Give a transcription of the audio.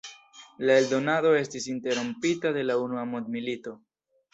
La eldonado estis interrompita de la Unua Mondmilito.